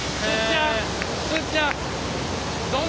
すっちゃん。